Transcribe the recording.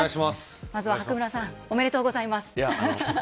まずは白村さんありがとうございます。